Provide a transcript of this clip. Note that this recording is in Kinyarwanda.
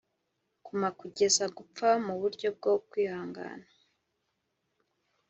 kuma kugeza gupfa muburyo bwo kwihangana